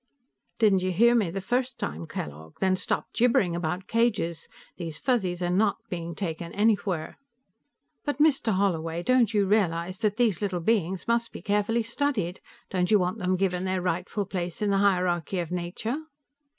"Didn't you hear me the first time Kellogg? Then stop gibbering about cages. These Fuzzies aren't being taken anywhere." "But Mr. Holloway! Don't you realize that these little beings must be carefully studied? Don't you want them given their rightful place in the hierarchy of nature?"